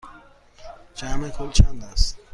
جمع کل چند است؟